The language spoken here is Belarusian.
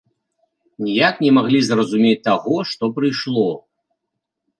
Ніяк не маглі зразумець таго, што прыйшло.